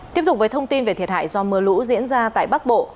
tiếp tục với thông tin về thiệt hại do mưa lũ diễn ra tại bắc bộ